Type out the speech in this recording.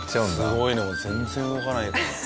すごいねもう全然動かないんだ。